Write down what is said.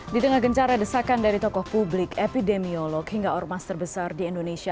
di tengah gencara desakan dari tokoh publik epidemiolog hingga ormas terbesar di indonesia